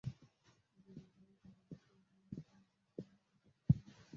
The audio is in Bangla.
এটি রেলওয়ে কর্মকর্তা ইলিয়াস সামারফিল্ডের নামে নামকরণ করা হয়েছিল।